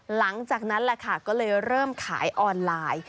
หลังจากนั้นแหละค่ะก็เลยเริ่มขายออนไลน์